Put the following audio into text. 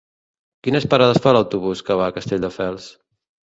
Quines parades fa l'autobús que va a Castelldefels?